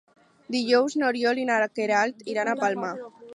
Dijous n'Oriol i na Queralt iran a Palma.